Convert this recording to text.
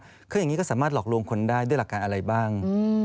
คืออย่างนี้ก็สามารถหลอกลวงคนได้ด้วยหลักการอะไรบ้าง